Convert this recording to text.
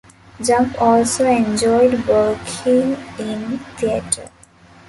Jump also enjoyed working in theater.